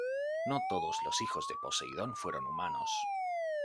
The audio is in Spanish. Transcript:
No todos los hijos de Poseidón fueron humanos.